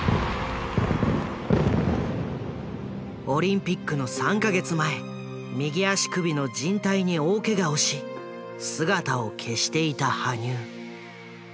オリンピックの３か月前右足首のじん帯に大ケガをし姿を消していた羽生。